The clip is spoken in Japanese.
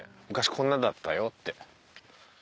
「昔こんなだったよ」って。